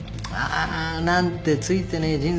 ああなんてついてねえ